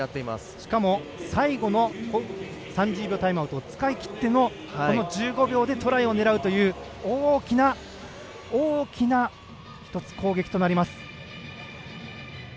しかも最後の３０秒タイムアウトを使い切ってのこの１５秒でトライを狙うという大きな、大きな攻撃になります。